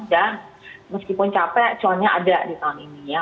dan meskipun capek ciongnya ada di tahun ini ya